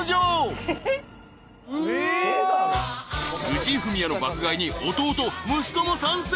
［藤井フミヤの爆買いに弟息子も参戦］